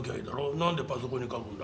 何でパソコンに書くんだ？